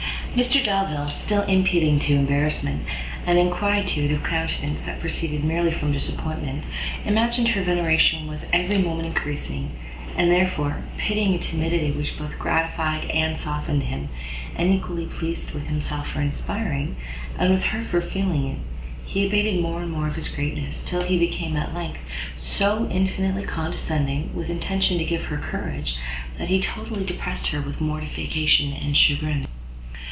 Mr Delvile, still imputing to embarrassment, an inquietude of countenance that proceeded merely from disappointment, imagined her veneration was every moment increasing; and therefore, pitying a timidity which both gratified and softened him, and equally pleased with himself for inspiring, and with her for feeling it, he abated more and more of his greatness, till he became, at length, so infinitely condescending, with intention to give her courage, that he totally depressed her with mortification and chagrin.